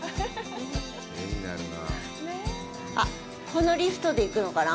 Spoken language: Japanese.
あっ、このリフトで行くのかな。